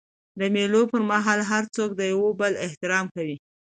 د مېلو پر مهال هر څوک د یو بل احترام کوي.